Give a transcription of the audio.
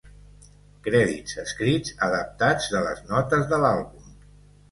Crèdits escrits adaptats de les notes de l'àlbum.